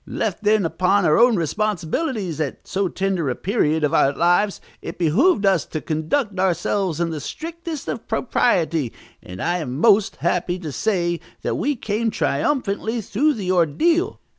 Left, then, upon our own responsibilities at so tender a period of our lives, it behooved us to conduct ourselves with the strictest of propriety, and I am most happy to say that we came triumphantly through the ordeal.